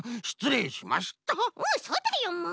うんそうだよもう！